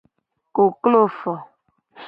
Koklo fo.